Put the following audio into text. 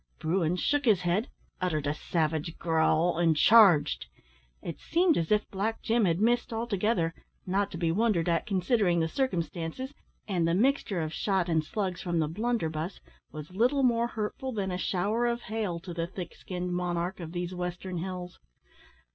Bruin shook his head, uttered a savage growl, and charged. It seemed as if Black Jim had missed altogether not to be wondered at considering the circumstances and the mixture of shot and slugs from the blunderbuss was little more hurtful than a shower of hail to the thick skinned monarch of these western hills.